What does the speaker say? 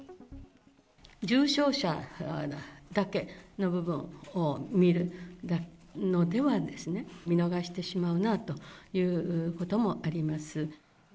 重症者だけの部分を見るのでは、見逃してしまうなということもあります。